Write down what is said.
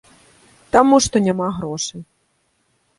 Таму што няма грошай.